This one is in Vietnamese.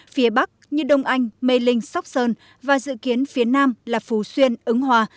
phía bắc như đông anh mê linh sóc sơn và dự kiến phía nam là phú xuyên ứng hòa